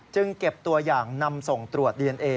เก็บตัวอย่างนำส่งตรวจดีเอนเอ